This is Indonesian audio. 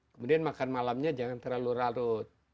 kemudian makan malamnya jangan terlalu rarut